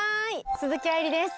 鈴木愛理です！